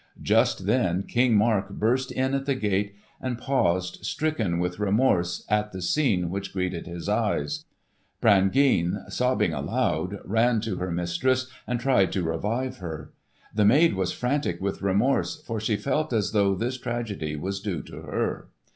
Just then King Mark burst in at the gate, and paused stricken with remorse at the scene which greeted his eyes. Brangeane, sobbing aloud, ran to her mistress and tried to revive her. The maid was frantic with remorse for she felt as though this tragedy was due to her.